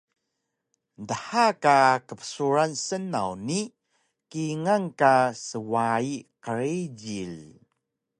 Dha ka qbsuran snaw ni kingal ka swayi qrijil